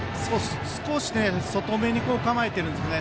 少し、外めに構えてるんですよね。